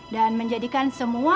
dan menjadikan semua